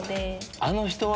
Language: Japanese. あの人は？